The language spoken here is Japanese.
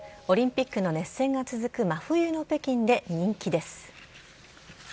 オリンピックの熱戦が続く真冬の北京で人気です。